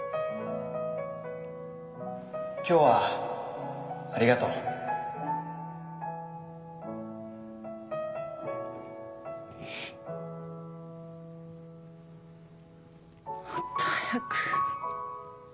今日はありがとうもっと早く。